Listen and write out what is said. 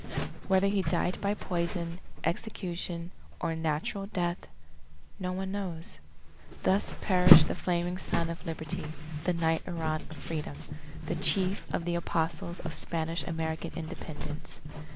Whether he died by poison, execution, or natural death, no one knows. Thus perished the Flaming Son of Liberty, the Knight Errant of Freedom, the Chief of the Apostles of Spanish American Independence.